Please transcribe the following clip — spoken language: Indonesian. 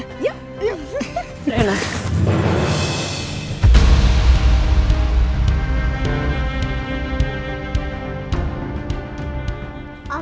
masa yang terakhir